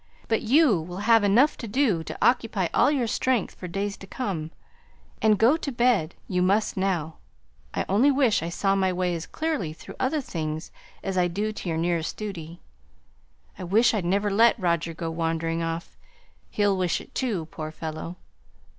But you will have enough to do to occupy all your strength for days to come; and go to bed you must now. I only wish I saw my way as clearly through other things as I do to your nearest duty. I wish I'd never let Roger go wandering off; he'll wish it too, poor fellow!